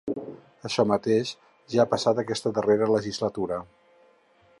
Això mateix ja ha passat aquesta darrera legislatura.